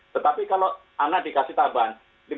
tetapi kalau anak dikasih taban